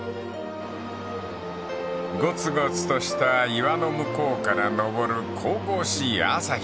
［ごつごつとした岩の向こうから昇る神々しい朝日］